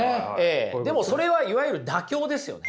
でもそれはいわゆる妥協ですよね。